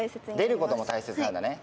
出ることも大切なんだね。